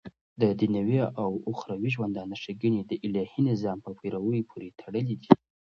ددنيوي او اخروي ژوندانه ښيګڼي دالهي نظام په پيروۍ پوري تړلي دي